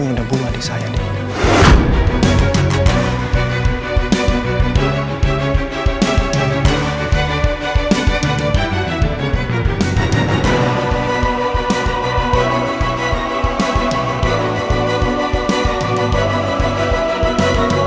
saya udah berusaha untuk ngelupain semuanya